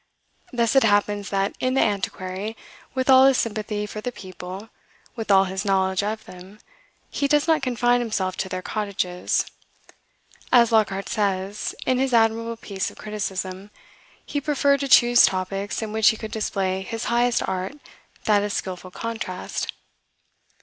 Thus it happens that, in "The Antiquary," with all his sympathy for the people, with all his knowledge of them, he does not confine himself to their cottages. As Lockhart says, in his admirable piece of criticism, he preferred to choose topics in which he could display "his highest art, that of skilful contrast."